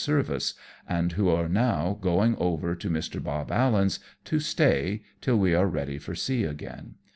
service, and who are now going over to Mr. Bob Allen's, to stay till we are ready for sea again.